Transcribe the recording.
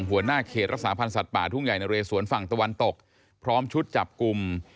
หัวหน้าเขตรักษาพันธ์สัตว์ป่าทุ่งใหญ่นะเรสวนฝั่งตะวันตกพร้อมชุดจับกลุ่ม